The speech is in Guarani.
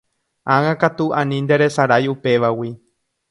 Ág̃akatu ani nderesarái upévagui